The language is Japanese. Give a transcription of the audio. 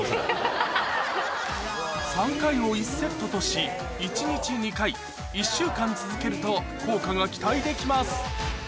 ３回を１セットとし１日２回１週間続けると効果が期待できます